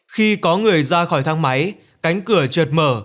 khi có người ra khỏi thang máy cánh cửa trượt mở